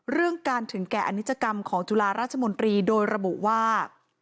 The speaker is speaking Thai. เรื่องการถึงแก่อนิจกรรมของจุฬาราชมนตรีโดยระบุว่า